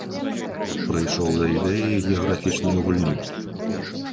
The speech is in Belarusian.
Прыйшоў да ідэі геаграфічнай гульні.